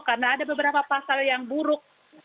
karena ada beberapa pasal yang buruk